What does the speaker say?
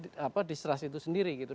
karena terjadi distrust itu sendiri gitu